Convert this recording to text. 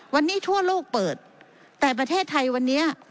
วันนี้ทั่วโลกเปิดแต่ประเทศไทยวันนี้